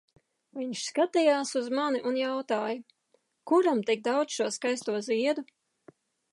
Viņš skatījās uz mani un jautāja, kuram tik daudz šo skaisto ziedu?